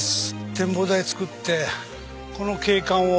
展望台造ってこの景観を。